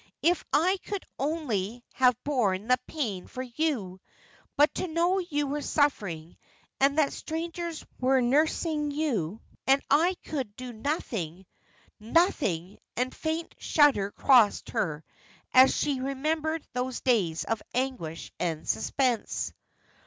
If I could only have borne the pain for you! But to know you were suffering, and that strangers were nursing you, and I could do nothing nothing " and a faint shudder crossed her as she remembered those days of anguish and suspense.